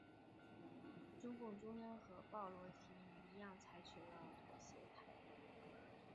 中共中央和鲍罗廷一样采取了妥协态度。